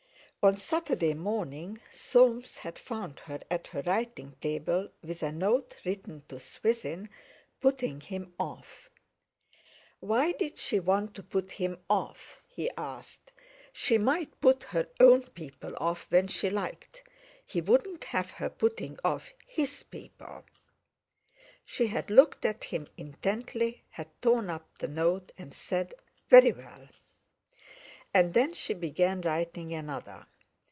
On Saturday morning Soames had found her at her writing table with a note written to Swithin, putting him off. Why did she want to put him off? he asked. She might put her own people off when she liked, he would not have her putting off his people! She had looked at him intently, had torn up the note, and said: "Very well!" And then she began writing another.